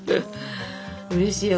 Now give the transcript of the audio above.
うれしいよ。